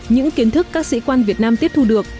những kiến thức các sĩ quan việt nam tiếp thu được